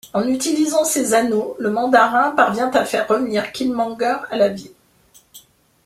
En utilisant ses anneaux, le Mandarin parvient à faire revenir Killmonger à la vie.